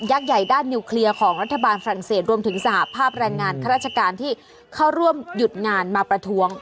ใหญ่ด้านนิวเคลียร์ของรัฐบาลฝรั่งเศสรวมถึงสหภาพแรงงานข้าราชการที่เข้าร่วมหยุดงานมาประท้วง